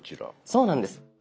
そうなんです。